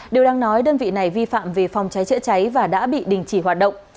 điều đang nói đơn vị này vi phạm về phòng cháy chữa cháy và đã bị đình chỉ hoạt động